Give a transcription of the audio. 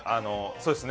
そうですね。